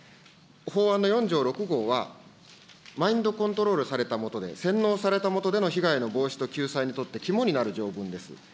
法案の４条６号は、マインドコントロールされた下で、洗脳された下での被害の防止と救済にとって肝になる条文です。